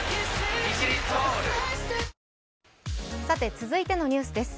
続いてのニュースです。